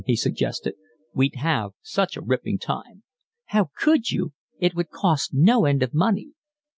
he suggested. "We'd have such a ripping time." "How could you? It would cost no end of money."